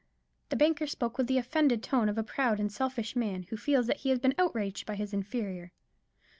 The banker spoke with the offended tone of a proud and selfish man, who feels that he has been outraged by his inferior.